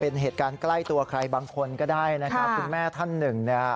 เป็นเหตุการณ์ใกล้ตัวใครบางคนก็ได้นะครับคุณแม่ท่านหนึ่งเนี่ย